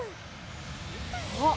あっ！